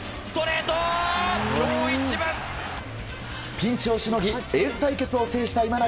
ピンチをしのぎエース対決をしのいだ今永。